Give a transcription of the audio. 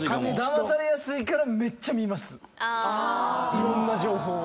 いろんな情報を。